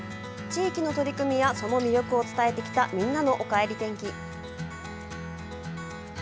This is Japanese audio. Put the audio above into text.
地域の取り組みやその魅力を伝えてきた「みんなのおかえり天気」。